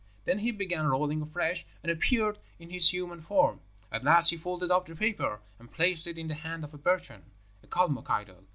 Then he began rolling afresh, and appeared in his human form. At last he folded up the paper, and placed it in the hand of a burchan (a Calmuc idol).